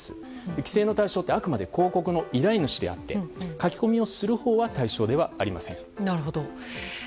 規制の対象ってあくまで広告の依頼主であって書き込みをするほうは対象ではありません。